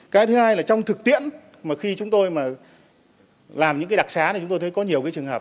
cái thứ hai là trong thực tiễn mà khi chúng tôi mà làm những cái đặc xá thì chúng tôi thấy có nhiều cái trường hợp